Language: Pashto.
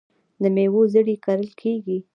د میوو زړې کرل کیږي.